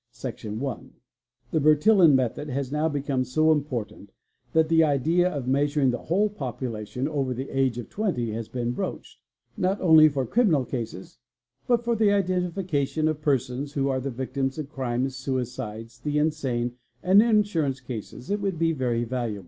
Section i. i: The Bertillon method has now become so important that the ide LC measuring the whole population over the age of twenty has been broach 2 Not only for criminal cases but for the identification of persons who a the victims of crimes, suicides, the insane, and insurance cases, it wou (521) be vegy valuable FINGER PRINTS 277 Section xi.